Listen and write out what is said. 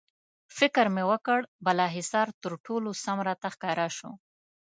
فکر مې وکړ، بالاحصار تر ټولو سم راته ښکاره شو.